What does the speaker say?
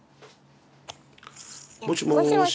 もしもし。